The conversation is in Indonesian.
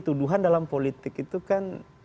tuduhan dalam politik itu kan